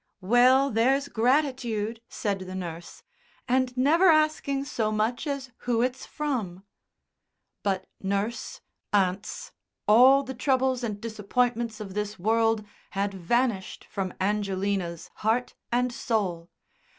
"Well, there's gratitude," said the nurse, "and never asking so much as who it's from." But nurse, aunts, all the troubles and disappointments of this world had vanished from Angelina's heart and soul.